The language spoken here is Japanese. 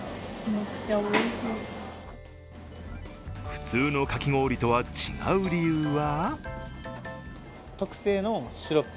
普通のかき氷とは違う理由は？